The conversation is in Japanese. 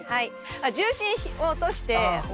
重心を落として。